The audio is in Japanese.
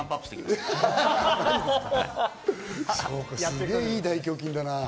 すげぇいい大胸筋だな。